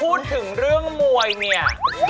พูดถึงเรื่องมวยเนี่ย